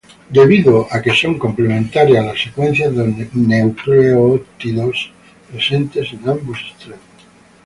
Debido a que son complementarias las secuencias de nucleótidos presentes en ambos extremos.